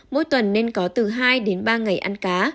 mỗi tuần nên có từ hai đến ba ngày ăn cá